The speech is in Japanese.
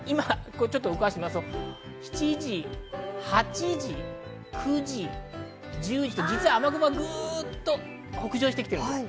動かしていきますと、７時、８時、９時、実は雨雲がぐっと北上してきています。